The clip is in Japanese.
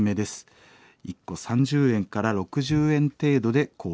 １個３０円から６０円程度で購入できます。